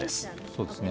そうですね。